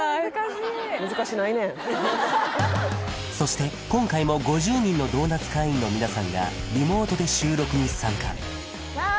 そして今回も５０人のドーナツ会員の皆さんがリモートで収録に参加わあ！